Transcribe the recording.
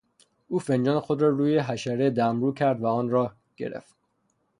او فنجان خود را روی حشره دمرو کرد و آن را گرفت.